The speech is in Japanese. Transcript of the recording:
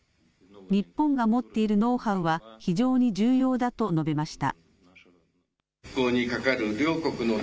日本が持っているノウハウは非常に重要だと述べました。